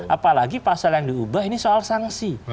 apalagi pasal yang diubah ini soal sanksi